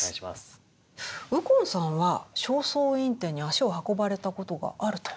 右近さんは「正倉院展」に足を運ばれたことがあると。